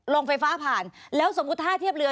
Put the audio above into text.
ลงไฟฟ้าผ่านแล้วสมมุติถ้าเทียบเรือ